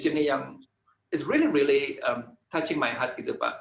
sangat sangat menyentuh hatiku pak